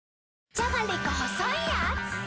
じゃがりこ細いやーつ